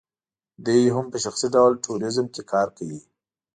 دی هم په شخصي ډول ټوریزم کې کار کوي.